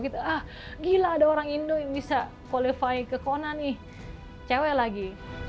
ah gila ada orang indo yang bisa qualify ke kona nih cewek lagi